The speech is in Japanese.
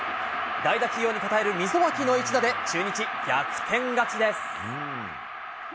代打起用に応える溝脇の一打で、中日、逆転勝ちです。